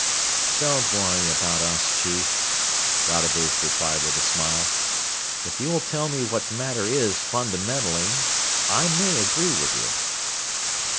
"Don't worry about us, Chief." Rodebush replied with a smile. "If you will tell me what matter is, fundamentally, I may agree with you